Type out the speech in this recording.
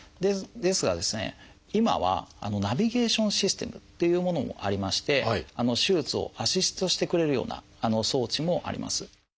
ですが今はナビゲーションシステムっていうものもありまして手術をアシストしてくれるような装置もあります。